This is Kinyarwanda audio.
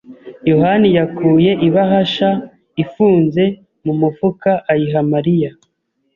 yohani yakuye ibahasha ifunze mu mufuka ayiha Mariya.